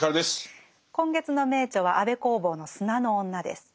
今月の名著は安部公房の「砂の女」です。